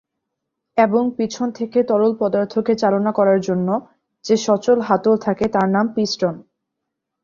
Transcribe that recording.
এবং পিছন থেকে তরল পদার্থকে চালনা করার জন্য যে সচল হাতল থাকে তার নাম পিস্টন।